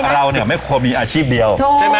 เพราะเราไม่ควรมีอาชีพเดียว